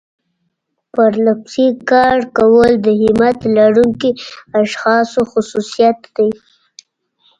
پرلپسې کار کول د همت لرونکو اشخاصو خصوصيت دی.